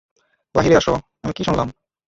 বাহিরে আসো, আমি কি শুনলাম?